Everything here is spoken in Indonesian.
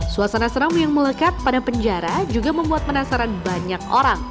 suasana seram yang melekat pada penjara juga membuat penasaran banyak orang